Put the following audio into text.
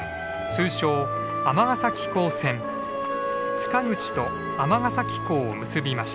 塚口と尼崎港を結びました。